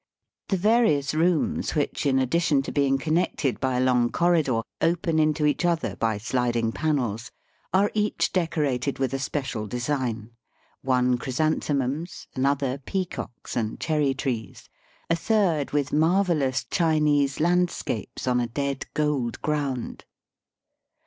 The various rooms which, in addition to being connected by a long corridor, open into each other by sliding panels, are each decorated with a special design: one chrysanthemums, another peacocks and cherry trees, a third with marvellous Chinese landscapes on a dead gold ground.